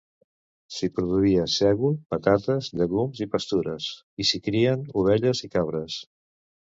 S'hi produïa sègol, patates, llegums i pastures, i s'hi crien ovelles i cabres.